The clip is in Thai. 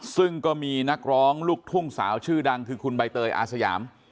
ซึ่งก็มีนักร้องลูกทุ่งสาวชื่อดังคือคุณใบเตยอาสยาม